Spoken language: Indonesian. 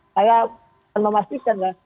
saya memastikan ya